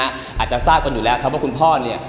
อาจจะทราบกันอยู่แล้วครับว่าคุณพ่อเนี่ย